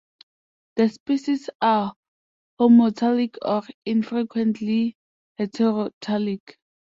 The species are homothallic or infrequently heterothallic.